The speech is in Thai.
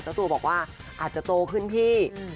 เจ้าตัวบอกว่าอาจจะโตขึ้นพี่